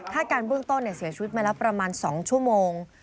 การเบื้องต้นเสียชีวิตมาแล้วประมาณ๒ชั่วโมง